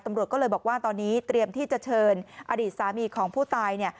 ตำรวจก็เลยบอกว่าตอนนี้เตรียมที่จะเชิญอดีตสามีของผู้ตาย